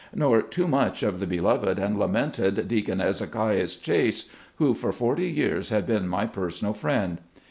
Nor too much of the beloved and lamented Deacon Ezekias Chase, who for forty years had been my personal friend.